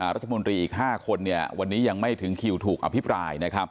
รัฐมนตรีอีก๕คนวันนี้ยังไม่ถึงคิวถูกอภิปราย